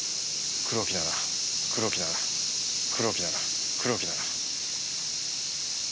黒木なら黒木なら黒木なら黒木なら。